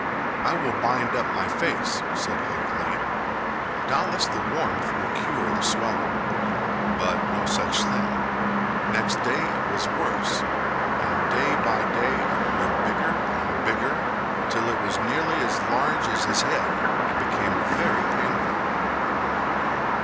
"I will bind up my face," said Hok Lee. "Doubtless the warmth will cure the swelling." But no such thing. Next day it was worse, and day by day it grew bigger and bigger till it was nearly as large as his head and became very painful.